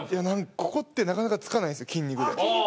ここってなかなかつかないんですよ筋肉で。